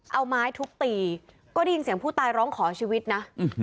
เอาไม้ทุบตีก็ได้ยินเสียงผู้ตายร้องขอชีวิตนะ